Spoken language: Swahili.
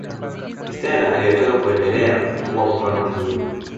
stela aliwataka kuendelea kuwa mfano mzuri